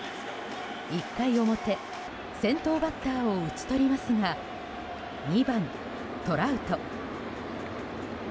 １回表、先頭バッターを打ち取りますが２番、トラウト。